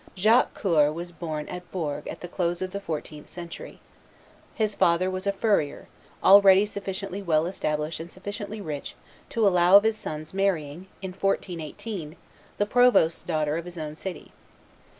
Jacques Coeur was born at Bourges at the close of the fourteenth century. His father was a furrier, already sufficiently well established and sufficiently rich to allow of his son's marrying, in 1418, the provost's daughter of his own city.